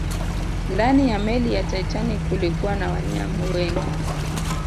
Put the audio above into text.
Ndani ya meli ya Titanic kulikuwa na wanyama wengi